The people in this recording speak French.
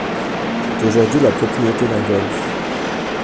C'est aujourd'hui la propriété d'un golf.